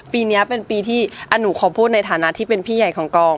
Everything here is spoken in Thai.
ปีนี้เป็นปีที่หนูขอพูดในฐานะที่เป็นพี่ใหญ่ของกอง